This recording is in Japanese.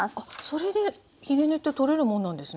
それでひげ根って取れるもんなんですね？